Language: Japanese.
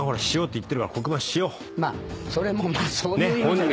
まあそれもそういう意味じゃ。